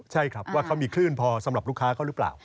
ใช่ครับว่าเขามีคลื่นพอสำหรับลูกค้าเขาหรือเปล่า